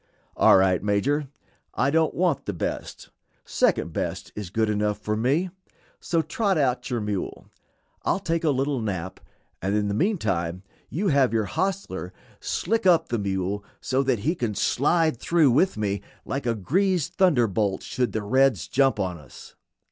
"All right, Major, I don't want the best; second best is good enough for me; so trot out your mule. I'll take a little nap, and in the meantime have your hostler slick up the mule so that he can slide through with me like a greased thunderbolt should the reds jump on us."